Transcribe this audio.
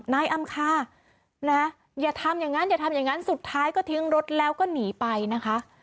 นายอำคานะอย่าทำอย่างนั้นอย่าทำอย่างนั้นสุดท้ายก็ทิ้งรถแล้วก็หนีไปนะคะ